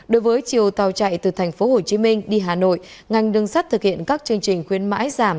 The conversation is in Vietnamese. đối với chiều tàu chạy từ tp hcm đi hà nội ngành đường sắt thực hiện các chương trình khuyến mãi giảm